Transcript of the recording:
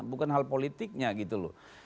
bukan hal politiknya gitu loh